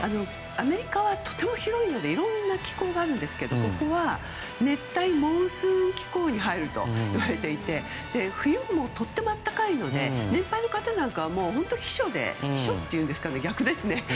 アメリカはとても広いのでいろんな気候があるんですけどここは熱帯モンスーン気候に入るといわれていて冬もとても暖かいので年配の方なんかは避暑というか逆ですね。